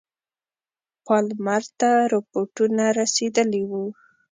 پالمر ته رپوټونه رسېدلي وه.